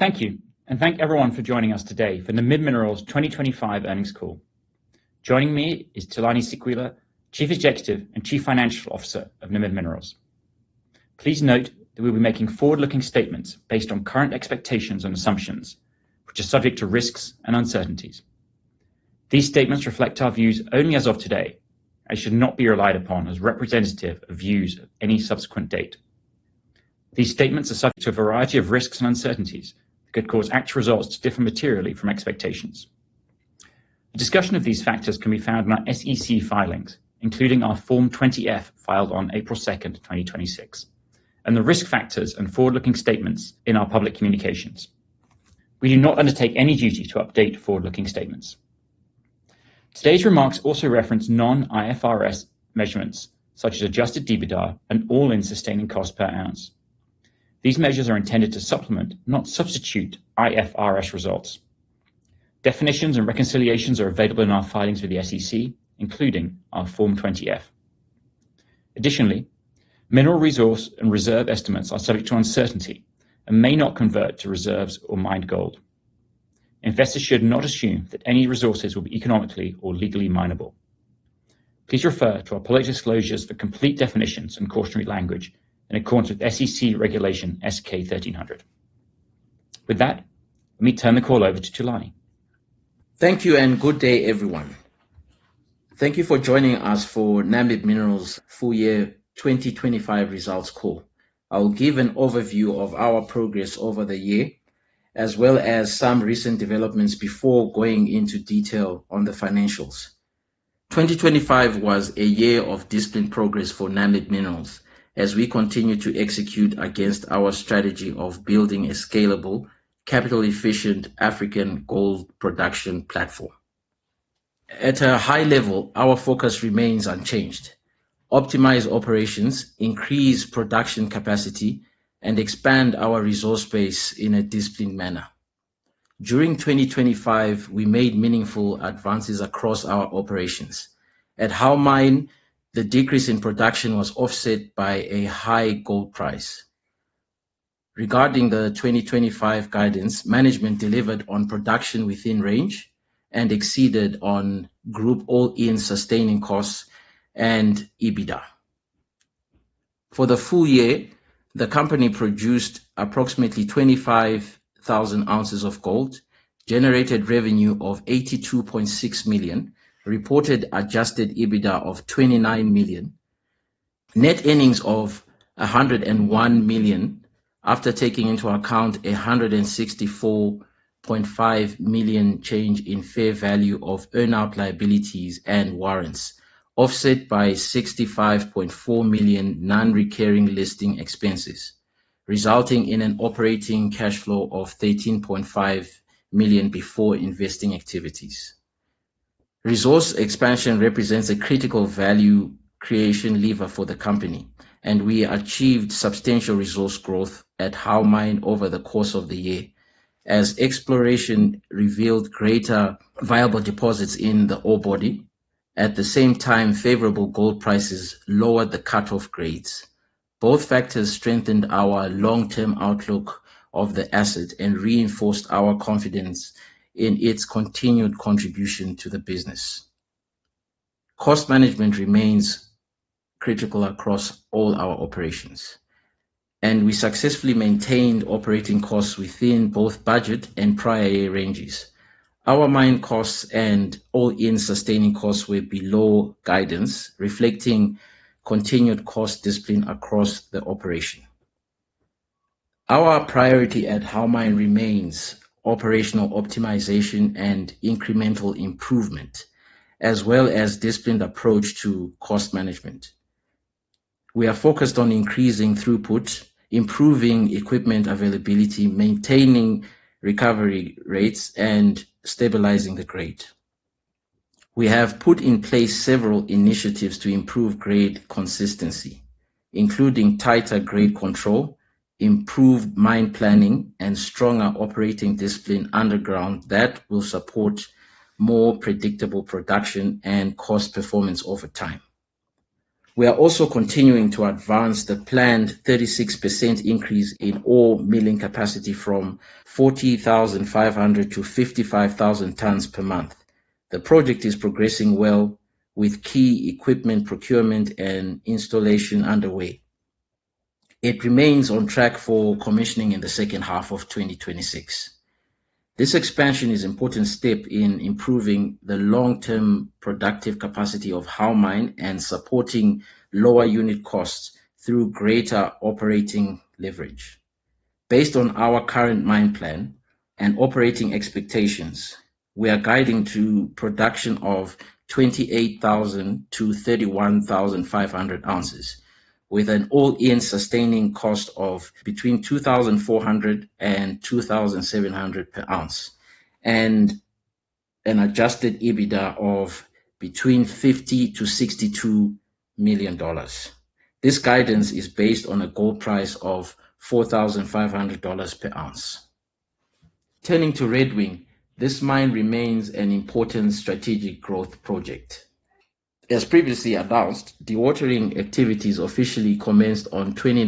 Thank you, thank everyone for joining us today for the Namib Minerals 2025 earnings call. Joining me is Tulani Sikwila, Chief Executive and Chief Financial Officer of Namib Minerals. Please note that we'll be making forward-looking statements based on current expectations and assumptions, which are subject to risks and uncertainties. These statements reflect our views only as of today and should not be relied upon as representative of views at any subsequent date. These statements are subject to a variety of risks and uncertainties that could cause actual results to differ materially from expectations. A discussion of these factors can be found in our SEC filings, including our Form 20-F filed on April 2, 2026, and the risk factors and forward-looking statements in our public communications. We do not undertake any duty to update forward-looking statements. Today's remarks also reference non-IFRS measurements such as adjusted EBITDA and all-in sustaining cost per ounce. These measures are intended to supplement, not substitute, IFRS results. Definitions and reconciliations are available in our filings with the SEC, including our Form 20-F. Additionally, mineral resource and reserve estimates are subject to uncertainty and may not convert to reserves or mined gold. Investors should not assume that any resources will be economically or legally mineable. Please refer to our public disclosures for complete definitions and cautionary language in accordance with SEC Regulation S-K 1300. With that, let me turn the call over to Tulani. Thank you and good day, everyone. Thank you for joining us for Namib Minerals' full year 2025 results call. I'll give an overview of our progress over the year, as well as some recent developments before going into detail on the financials. 2025 was a year of disciplined progress for Namib Minerals as we continued to execute against our strategy of building a scalable, capital-efficient African gold production platform. At a high level, our focus remains unchanged. Optimize operations, increase production capacity, and expand our resource base in a disciplined manner. During 2025, we made meaningful advances across our operations. At How Mine, the decrease in production was offset by a high gold price. Regarding the 2025 guidance, management delivered on production within range and exceeded on group all-in sustaining costs and EBITDA. For the full year, the company produced approximately 25,000Oz of gold, generated revenue of $82.6 million, reported adjusted EBITDA of $29 million, net earnings of $101 million after taking into account $164.5 million change in fair value of earn-out liabilities and warrants, offset by $65.4 million non-recurring listing expenses, resulting in an operating cash flow of $13.5 million before investing activities. Resource expansion represents a critical value creation lever for the company, and we achieved substantial resource growth at How Mine over the course of the year as exploration revealed greater viable deposits in the ore body. At the same time, favorable gold prices lowered the cut-off grades. Both factors strengthened our long-term outlook of the asset and reinforced our confidence in its continued contribution to the business. Cost management remains critical across all our operations, and we successfully maintained operating costs within both budget and prior year ranges. Our mine costs and all-in sustaining costs were below guidance, reflecting continued cost discipline across the operation. Our priority at How Mine remains operational optimization and incremental improvement, as well as disciplined approach to cost management. We are focused on increasing throughput, improving equipment availability, maintaining recovery rates, and stabilizing the grade. We have put in place several initiatives to improve grade consistency, including tighter grade control, improved mine planning, and stronger operating discipline underground that will support more predictable production and cost performance over time. We are also continuing to advance the planned 36% increase in ore milling capacity from 40,500-55,000 tons per month. The project is progressing well with key equipment procurement and installation underway. It remains on track for commissioning in the second half of 2026. This expansion is an important step in improving the long-term productive capacity of How Mine and supporting lower unit costs through greater operating leverage. Based on our current mine plan and operating expectations, we are guiding to production of 28,000Oz-31,500Oz with an all-in sustaining cost of between $2,400 and $2,700 per ounces, and an adjusted EBITDA of between $50 million and $62 million. This guidance is based on a gold price of $4,500 per ounce. Turning to Red Wing, this mine remains an important strategic growth project. As previously announced, dewatering activities officially commenced on January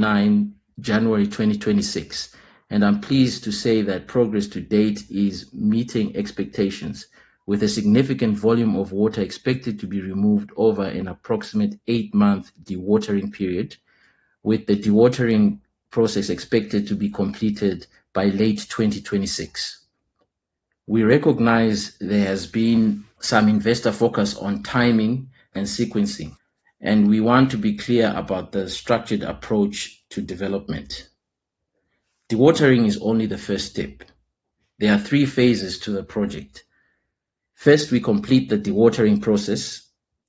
29, 2026, and I'm pleased to say that progress to date is meeting expectations with a significant volume of water expected to be removed over an approximate eight-month dewatering period, with the dewatering process expected to be completed by late 2026. We recognize there has been some investor focus on timing and sequencing, and we want to be clear about the structured approach to development. Dewatering is only the first step. There are three phases to the project. First, we complete the dewatering process.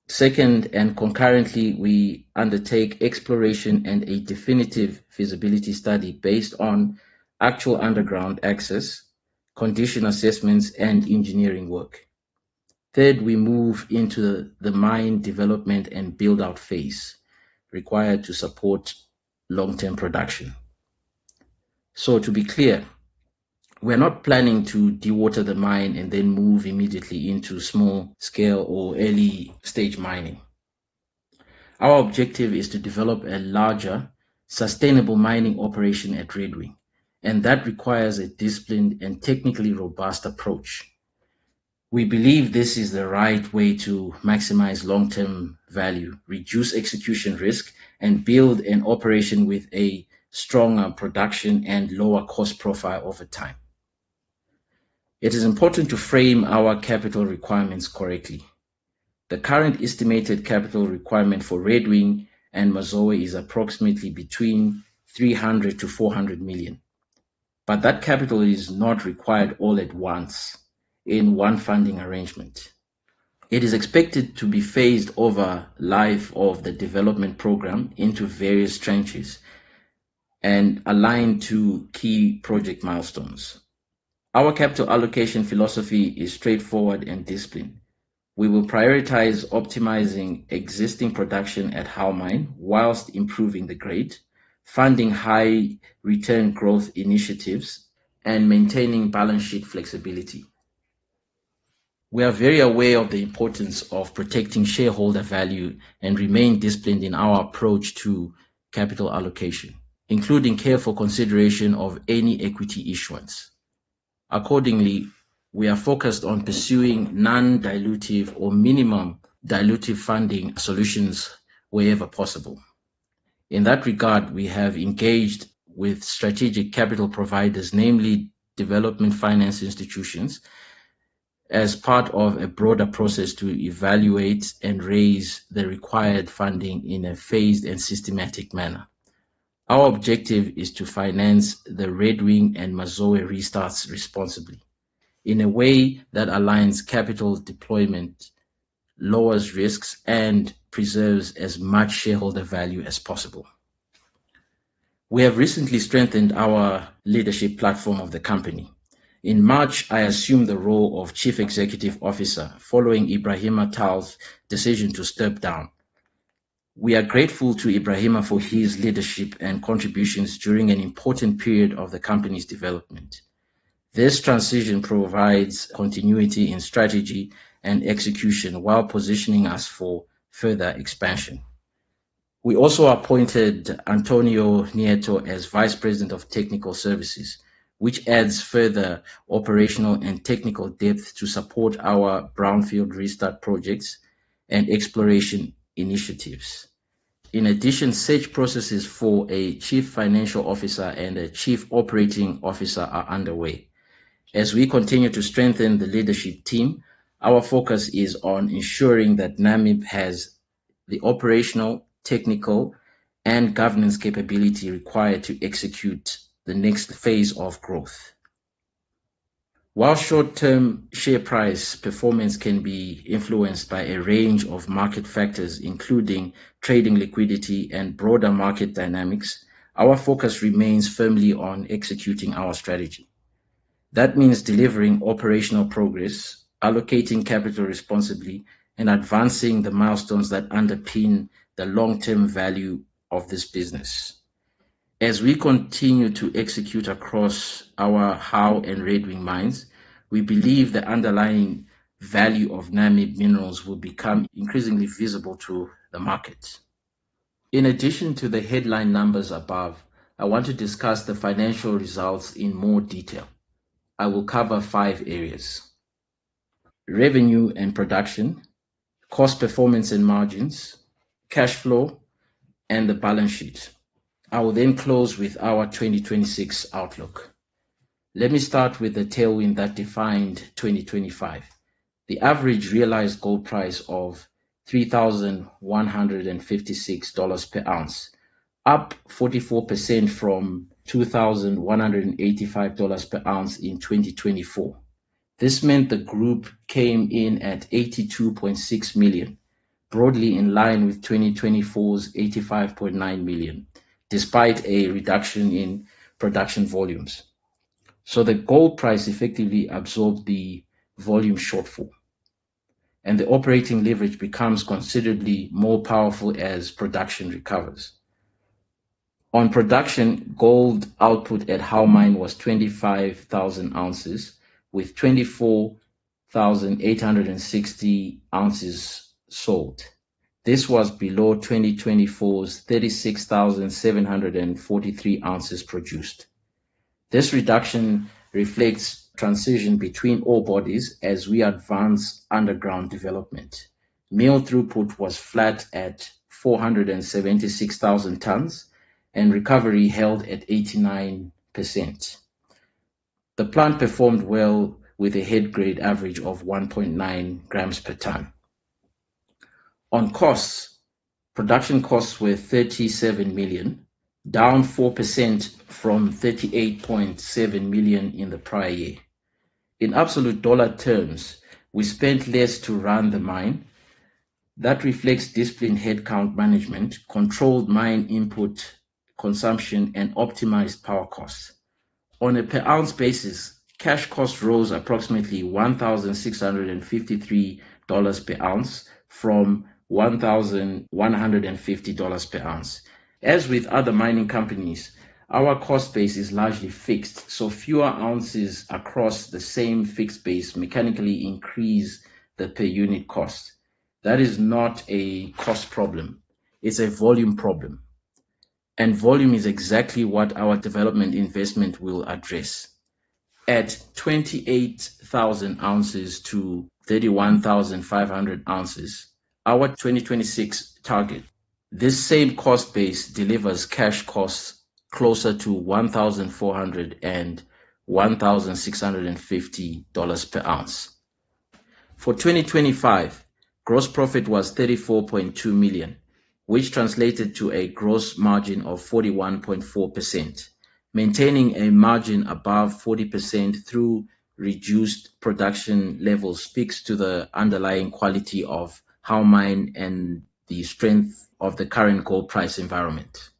Second, and concurrently, we undertake exploration and a definitive feasibility study based on actual underground access, condition assessments, and engineering work. Third, we move into the mine development and build-out phase required to support long-term production. To be clear, we're not planning to dewater the mine and then move immediately into small scale or early stage mining. Our objective is to develop a larger, sustainable mining operation at Red Wing, and that requires a disciplined and technically robust approach. We believe this is the right way to maximize long-term value, reduce execution risk, and build an operation with a stronger production and lower cost profile over time. It is important to frame our capital requirements correctly. The current estimated capital requirement for Red Wing and Mazowe is approximately between $300 million-$400 million, but that capital is not required all at once in one funding arrangement. It is expected to be phased over life of the development program into various tranches and aligned to key project milestones. Our capital allocation philosophy is straightforward and disciplined. We will prioritize optimizing existing production at How Mine while improving the grade, funding high return growth initiatives, and maintaining balance sheet flexibility. We are very aware of the importance of protecting shareholder value and remain disciplined in our approach to capital allocation, including careful consideration of any equity issuance. Accordingly, we are focused on pursuing non-dilutive or minimum dilutive funding solutions wherever possible. In that regard, we have engaged with strategic capital providers, namely development finance institutions, as part of a broader process to evaluate and raise the required funding in a phased and systematic manner. Our objective is to finance the Red Wing and Mazowe restarts responsibly in a way that aligns capital deployment, lowers risks, and preserves as much shareholder value as possible. We have recently strengthened our leadership platform of the company. In March, I assumed the role of chief executive officer following Ibrahima Sory Tall's decision to step down. We are grateful to Ibrahima Sory Tall for his leadership and contributions during an important period of the company's development. This transition provides continuity in strategy and execution while positioning us for further expansion. We also appointed Antonio Nieto as Vice President of Technical Services, which adds further operational and technical depth to support our brownfield restart projects and exploration initiatives. In addition, search processes for a chief financial officer and a chief operating officer are underway. As we continue to strengthen the leadership team, our focus is on ensuring that Namib has the operational, technical, and governance capability required to execute the next phase of growth. While short-term share price performance can be influenced by a range of market factors, including trading liquidity and broader market dynamics, our focus remains firmly on executing our strategy. That means delivering operational progress, allocating capital responsibly, and advancing the milestones that underpin the long-term value of this business. As we continue to execute across our How Mine and Red Wing mines, we believe the underlying value of Namib Minerals will become increasingly visible to the markets. In addition to the headline numbers above, I want to discuss the financial results in more detail. I will cover five areas, revenue and production, cost performance and margins, cash flow, and the balance sheet. I will then close with our 2026 outlook. Let me start with the tailwind that defined 2025. The average realized gold price of $3,156 per ounce, up 44% from $2,185 per ounce in 2024. This meant the group came in at $82.6 million, broadly in line with 2024's $85.9 million, despite a reduction in production volumes. The gold price effectively absorbed the volume shortfall, and the operating leverage becomes considerably more powerful as production recovers. On production, gold output at How Mine was 25,000Oz with 24,860Oz sold. This was below 2024's 36,743Oz produced. This reduction reflects transition between ore bodies as we advance underground development. Mill throughput was flat at 476,000 tons and recovery held at 89%. The plant performed well with a head grade average of 1.9g per ton. On costs, production costs were $37 million, down 4% from $38.7 million in the prior year. In absolute dollar terms, we spent less to run the mine. That reflects disciplined headcount management, controlled mine input consumption, and optimized power costs. On a per ounce basis, cash cost rose approximately $1,653 per ounce from $1,150 per ounce. As with other mining companies, our cost base is largely fixed, so fewer ounces across the same fixed base mechanically increase the per unit cost. That is not a cost problem. It's a volume problem. Volume is exactly what our development investment will address. At 28,000Oz-31,500Oz, our 2026 target, this same cost base delivers cash costs closer to $1,400 and $1,650 per ounce. For 2025, gross profit was $34.2 million, which translated to a gross margin of 41.4%. Maintaining a margin above 40% through reduced production levels speaks to the underlying quality of How Mine and the strength of the current gold price environment.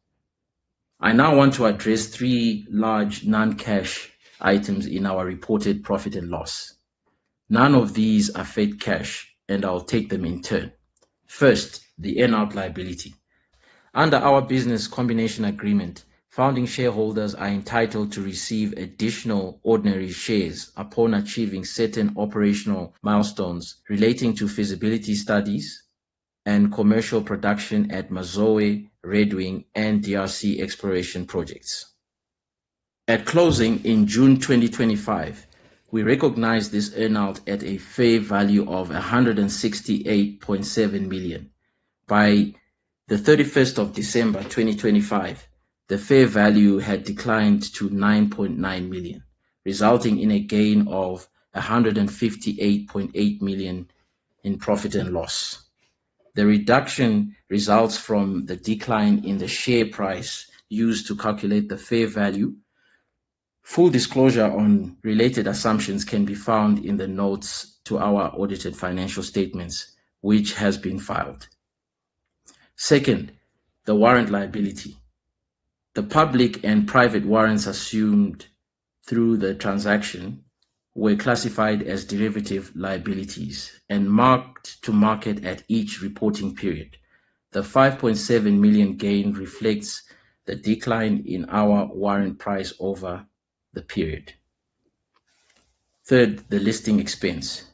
I now want to address three large non-cash items in our reported profit and loss. None of these affect cash, and I'll take them in turn. First, the earn-out liability. Under our business combination agreement, founding shareholders are entitled to receive additional ordinary shares upon achieving certain operational milestones relating to feasibility studies and commercial production at Mazowe, Red Wing, and DRC exploration projects. At closing in June 2025, we recognized this earn-out at a fair value of $168.7 million. By December 31, 2025, the fair value had declined to $9.9 million, resulting in a gain of $158.8 million in profit and loss. The reduction results from the decline in the share price used to calculate the fair value. Full disclosure on related assumptions can be found in the notes to our audited financial statements, which has been filed. Second, the warrant liability. The public and private warrants assumed through the transaction were classified as derivative liabilities and marked to market at each reporting period. The $5.7 million gain reflects the decline in our warrant price over the period. Third, the listing expense.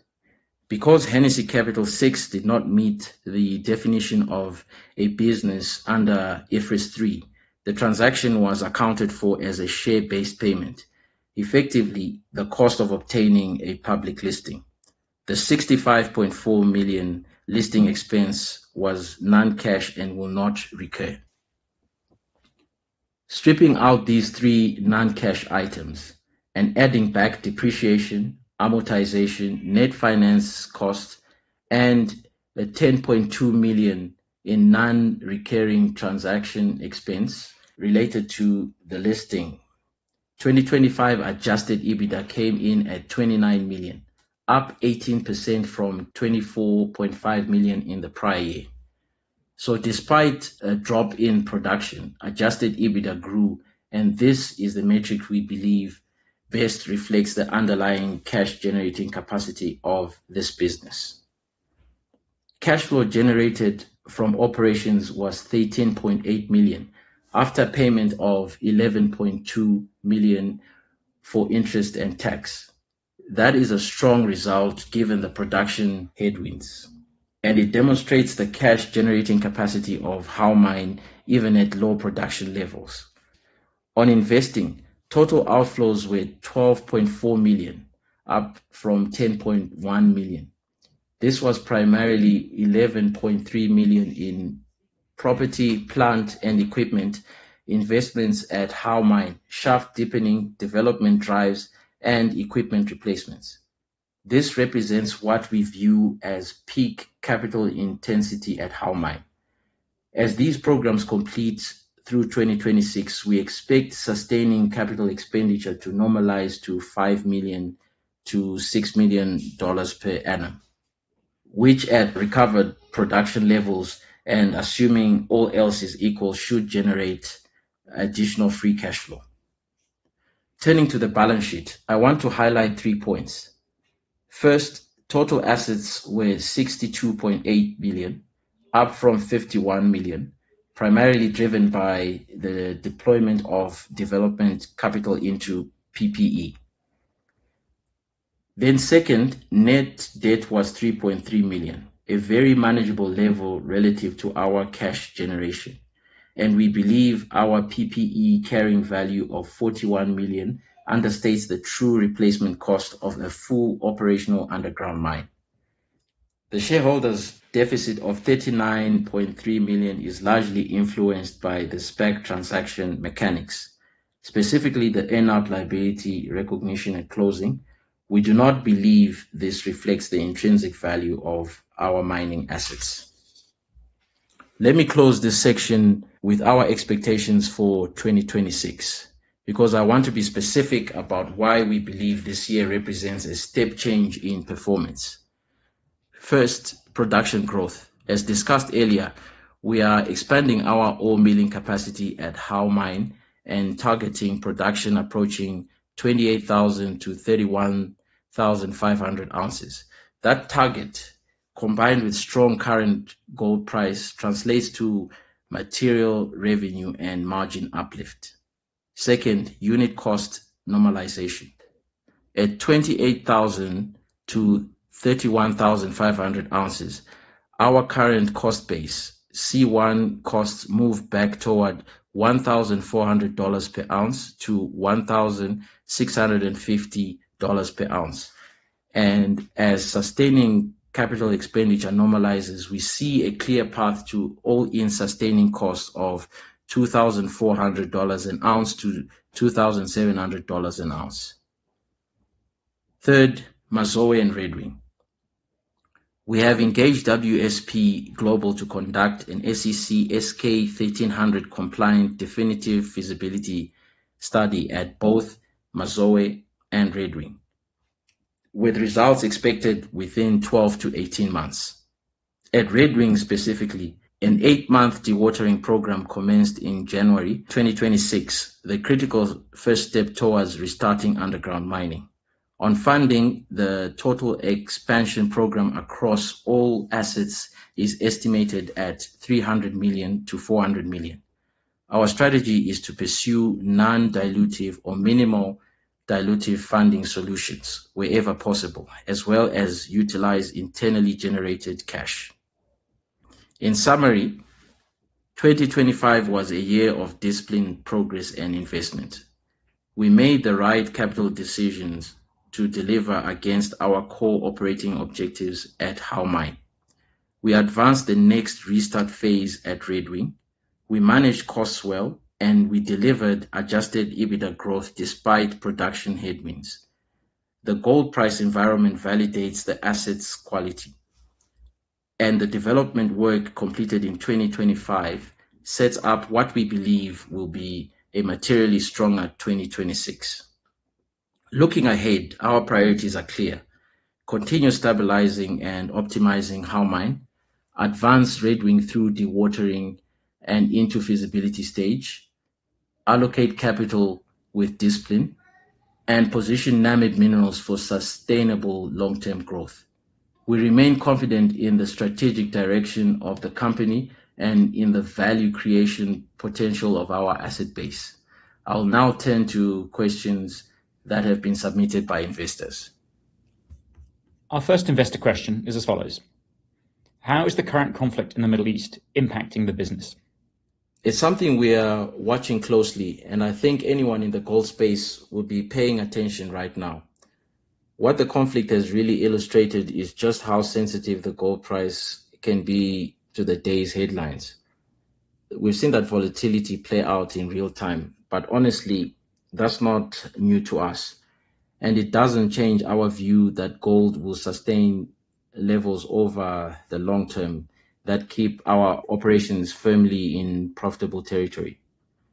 Because Hennessy Capital VI did not meet the definition of a business under IFRS 3, the transaction was accounted for as a share-based payment, effectively the cost of obtaining a public listing. The $65.4 million listing expense was non-cash and will not recur. Stripping out these three non-cash items and adding back depreciation, amortization, net finance cost, and the $10.2 million in non-recurring transaction expense related to the listing, 2025 adjusted EBITDA came in at $29 million, up 18% from $24.5 million in the prior year. Despite a drop in production, adjusted EBITDA grew, and this is the metric we believe best reflects the underlying cash generating capacity of this business. Cash flow generated from operations was $13.8 million, after payment of $11.2 million for interest and tax. That is a strong result given the production headwinds, and it demonstrates the cash generating capacity of How Mine even at low production levels. On investing, total outflows were $12.4 million, up from $10.1 million. This was primarily $11.3 million in property, plant, and equipment investments at How Mine, shaft deepening, development drives, and equipment replacements. This represents what we view as peak capital intensity at How Mine. As these programs complete through 2026, we expect sustaining capital expenditure to normalize to $5 million-$6 million per annum, which at recovered production levels and assuming all else is equal, should generate additional free cash flow. Turning to the balance sheet, I want to highlight three points. First, total assets were $62.8 million, up from $51 million, primarily driven by the deployment of development capital into PPE. Second, net debt was $3.3 million, a very manageable level relative to our cash generation, and we believe our PPE carrying value of $41 million understates the true replacement cost of a full operational underground mine. The shareholders' deficit of $39.3 million is largely influenced by the SPAC transaction mechanics, specifically the NOP liability recognition at closing. We do not believe this reflects the intrinsic value of our mining assets. Let me close this section with our expectations for 2026, because I want to be specific about why we believe this year represents a step change in performance. First, production growth. As discussed earlier, we are expanding our ore milling capacity at How Mine and targeting production approaching 28,000Oz-31,500Oz. That target, combined with strong current gold price, translates to material revenue and margin uplift. Second, unit cost normalization. At 28,000Oz-31,500Oz, our current cost base, C1 costs move back toward $1,400 per ounce to $1,650 per ounce. As sustaining capital expenditure normalizes, we see a clear path to all-in sustaining costs of $2,400 an ounce to $2,700 an ounce. Third, Mazowe and Red Wing. We have engaged WSP Global to conduct an SEC S-K 1300 compliant definitive feasibility study at both Mazowe and Red Wing, with results expected within 12 to 18 months. At Red Wing specifically, an 8-month dewatering program commenced in January 2026, the critical first step towards restarting underground mining. On funding, the total expansion program across all assets is estimated at $300 million-$400 million. Our strategy is to pursue non-dilutive or minimal dilutive funding solutions wherever possible, as well as utilize internally generated cash. In summary, 2025 was a year of disciplined progress and investment. We made the right capital decisions to deliver against our core operating objectives at How Mine. We advanced the next restart phase at Red Wing. We managed costs well, and we delivered adjusted EBITDA growth despite production headwinds. The gold price environment validates the asset's quality, and the development work completed in 2025 sets up what we believe will be a materially stronger 2026. Looking ahead, our priorities are clear. Continue stabilizing and optimizing How Mine, advance Red Wing through dewatering and into feasibility stage, allocate capital with discipline, and position Namib Minerals for sustainable long-term growth. We remain confident in the strategic direction of the company and in the value creation potential of our asset base. I'll now turn to questions that have been submitted by investors. Our first investor question is as follows: how is the current conflict in the Middle East impacting the business? It's something we are watching closely, and I think anyone in the gold space will be paying attention right now. What the conflict has really illustrated is just how sensitive the gold price can be to the day's headlines. We've seen that volatility play out in real-time, but honestly, that's not new to us, and it doesn't change our view that gold will sustain levels over the long term that keep our operations firmly in profitable territory.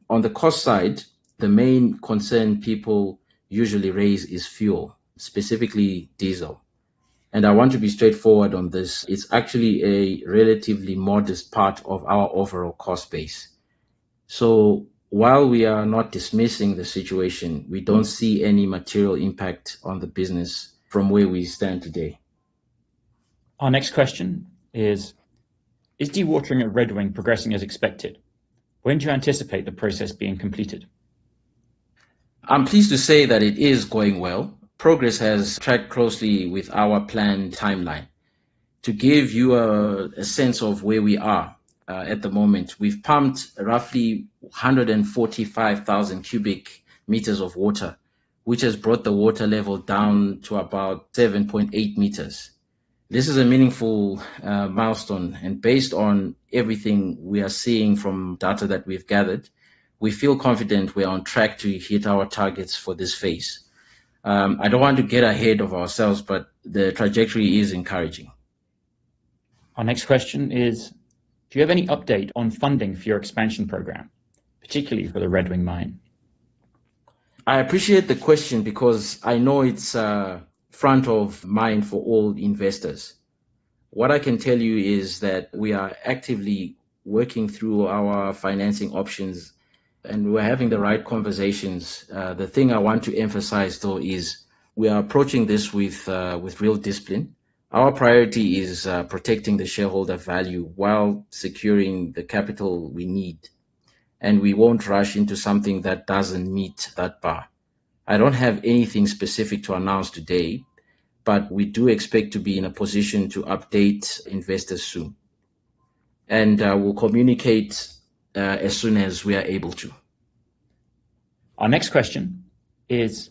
On the cost side, the main concern people usually raise is fuel, specifically diesel. I want to be straightforward on this. It's actually a relatively modest part of our overall cost base. While we are not dismissing the situation, we don't see any material impact on the business from where we stand today. Our next question is: Is dewatering at Red Wing progressing as expected? When do you anticipate the process being completed? I'm pleased to say that it is going well. Progress has tracked closely with our planned timeline. To give you a sense of where we are at the moment, we've pumped roughly 145,000m³ of water, which has brought the water level down to about 7.8m. This is a meaningful milestone, and based on everything we are seeing from data that we've gathered, we feel confident we are on track to hit our targets for this phase. I don't want to get ahead of ourselves, but the trajectory is encouraging. Our next question is: Do you have any update on funding for your expansion program, particularly for the Red Wing Mine? I appreciate the question because I know it's front of mind for all investors. What I can tell you is that we are actively working through our financing options, and we're having the right conversations. The thing I want to emphasize, though, is we are approaching this with real discipline. Our priority is protecting the shareholder value while securing the capital we need, and we won't rush into something that doesn't meet that bar. I don't have anything specific to announce today, but we do expect to be in a position to update investors soon. We'll communicate as soon as we are able to. Our next question is: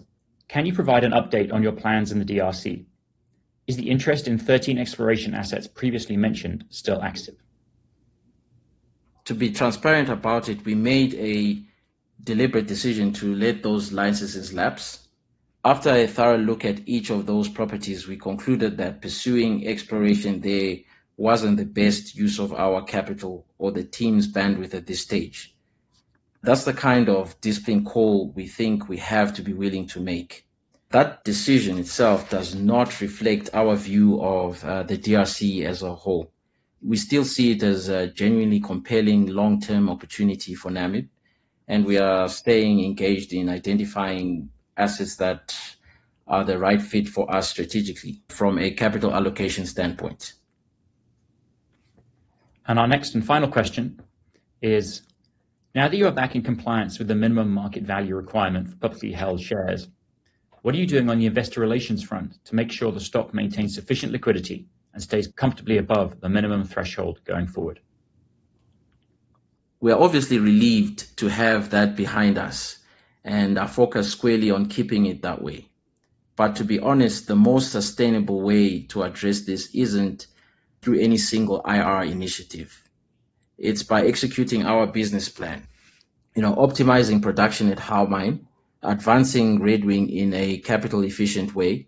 Can you provide an update on your plans in the DRC? Is the interest in 13 exploration assets previously mentioned still active? To be transparent about it, we made a deliberate decision to let those licenses lapse. After a thorough look at each of those properties, we concluded that pursuing exploration there wasn't the best use of our capital or the team's bandwidth at this stage. That's the kind of disciplined call we think we have to be willing to make. That decision itself does not reflect our view of the DRC as a whole. We still see it as a genuinely compelling long-term opportunity for Namib, and we are staying engaged in identifying assets that are the right fit for us strategically from a capital allocation standpoint. Our next and final question is: now that you are back in compliance with the minimum market value requirement for publicly held shares, what are you doing on the investor relations front to make sure the stock maintains sufficient liquidity and stays comfortably above the minimum threshold going forward? We are obviously relieved to have that behind us, and are focused squarely on keeping it that way. To be honest, the most sustainable way to address this isn't through any single IR initiative. It's by executing our business plan. You know, optimizing production at How Mine, advancing Red Wing in a capital efficient way,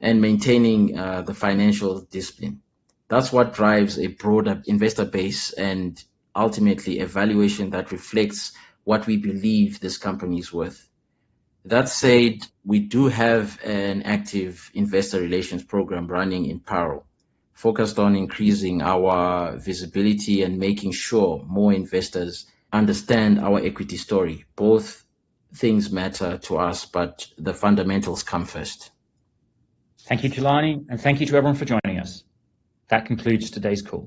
and maintaining the financial discipline. That's what drives a broader investor base and ultimately a valuation that reflects what we believe this company is worth. That said, we do have an active investor relations program running in parallel, focused on increasing our visibility and making sure more investors understand our equity story. Both things matter to us, but the fundamentals come first. Thank you, Tulani, and thank you to everyone for joining us. That concludes today's call.